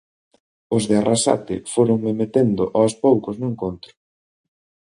Os de Arrasate fóronme metendo aos poucos no encontro.